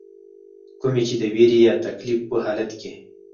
کومي چې د ويرې يا تکليف پۀ حالت کښې